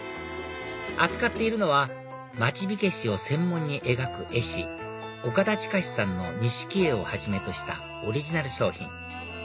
扱っているのは町火消しを専門に描く絵師岡田親さんの錦絵をはじめとしたオリジナル商品